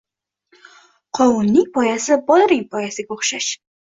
Qovunning poyasi bodring poyasiga o‘xshash.